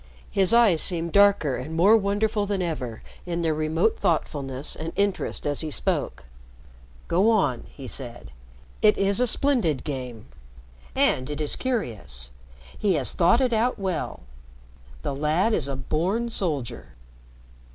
His eyes seemed darker and more wonderful than ever in their remote thoughtfulness and interest as he spoke. "Go on," he said. "It is a splendid game. And it is curious. He has thought it out well. The lad is a born soldier."